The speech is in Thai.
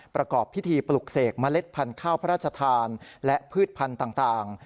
ประกอบพิธีปลุกเสกเมล็ดพันธุ์ข้าวพระราชทานและพืชพันธุ์ต่าง